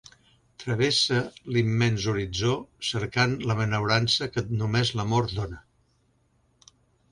Travesse l'immens horitzó cercant la benaurança que només l'amor dona.